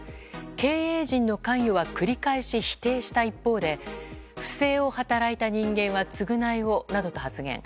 経営陣の関与は繰り返し否定した一方で不正を働いた人間は償いをなどと発言。